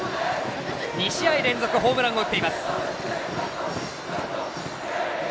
２試合連続ホームランを打っています。